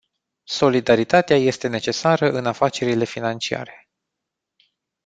Solidaritatea este necesară în afacerile financiare.